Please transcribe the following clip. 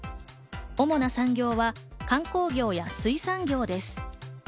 主な産業は観光業や水産業です。